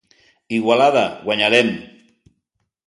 Igualada, guanyarem!